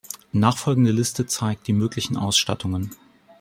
Nachfolgende Liste zeigt die möglichen Ausstattungen.